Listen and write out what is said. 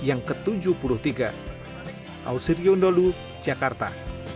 tujuh puluh tiga ausiriondolu jakarta